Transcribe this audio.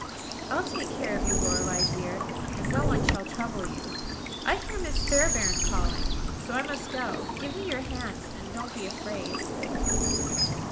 "I'll take care of you, Lorelei dear; and no one shall trouble you. I hear Miss Fairbairn calling; so I must go. Give me your hand, and don't be afraid."